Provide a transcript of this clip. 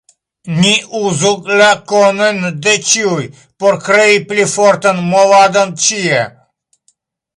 Ni uzu la konojn de ĉiuj por krei pli fortan movadon ĉie.